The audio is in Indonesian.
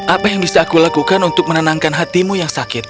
apa yang bisa aku lakukan untuk menenangkan hatimu yang sakit